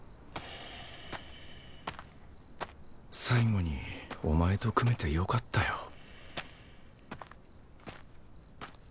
最後にお前と組めてよかったよ。